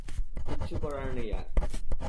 কিচ্ছু করার নেই আর!